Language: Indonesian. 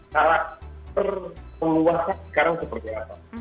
karakter penguasaan sekarang seperti apa